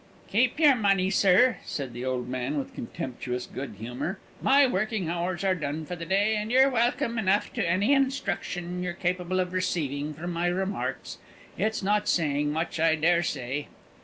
"Keep your money, sir," said the old man, with contemptuous good humour. "My working hours are done for the day, and you're welcome enough to any instruction you're capable of receiving from my remarks. It's not saying much, I dare say."